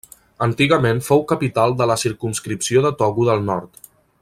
Antigament fou capital de la circumscripció de Togo del Nord.